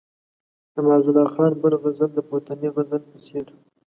د معزالله خان بل غزل د پورتني غزل په څېر.